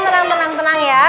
tenang tenang tenang ya